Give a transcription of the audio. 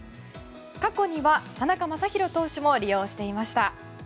過去には田中将大投手も利用していました。